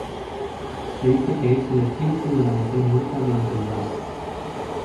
Se dice que es el espíritu de la mujer muerta durante el embarazo.